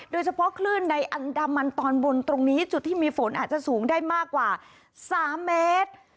โดยเฉพาะคลื่นในอันดามันตอนบนตรงนี้จุดที่มีฝนอาจจะสูงได้มากกว่า๓เมตร